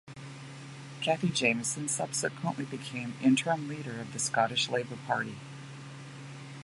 Cathy Jamieson subsequently became interim leader of the Scottish Labour Party.